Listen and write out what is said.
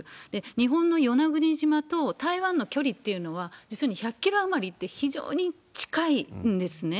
日本の与那国島と台湾の距離っていうのは、実に１００キロ余りって、非常に近いんですね。